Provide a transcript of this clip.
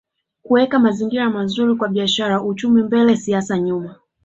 Kuweka mazingira mazuri kwa biashara uchumi mbele siasa nyuma